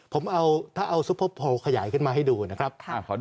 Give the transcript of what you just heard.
ผมเอาถ้าเอาซุปเปอร์โพลขยายขึ้นมาให้ดูนะครับ